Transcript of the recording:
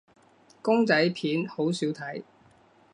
公仔片好少睇